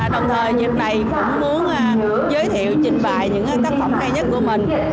đồng thời dịch này cũng muốn giới thiệu trình bài những tác phẩm hay nhất của mình